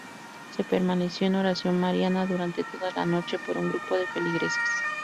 Se permaneció en oración mariana durante toda la noche por un grupo de feligreses.